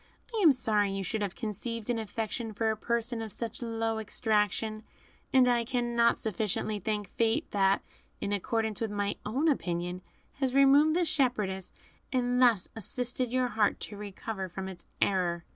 I am sorry you should have conceived an affection for a person of such low extraction, and I cannot sufficiently thank Fate that, in accordance with my own opinion, has removed this shepherdess, and thus assisted your heart to recover from its error."